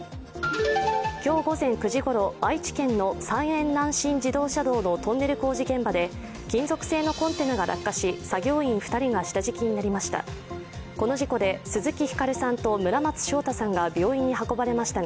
今日午前９時ごろ愛知県の三遠南信自動車道のトンネル工事現場で金属製のコンテナが落下し、作業員２人が下敷きになりました。